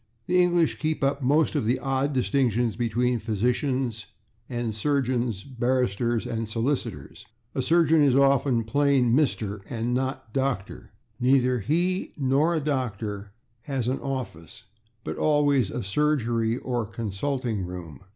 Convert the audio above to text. The English keep up most of the old distinctions between physicians and surgeons, barristers and solicitors. A surgeon is often plain /Mr./, and not /Dr./ Neither he nor a doctor has an /office/, but always a /surgery/ or /consulting room